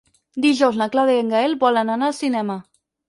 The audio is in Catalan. Dijous na Clàudia i en Gaël volen anar al cinema.